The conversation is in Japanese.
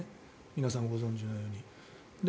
皆さんご存じのように。